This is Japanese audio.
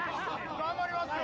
・頑張りますよ俺。